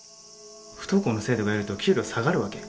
不登校の生徒がいると給料下がるわけ？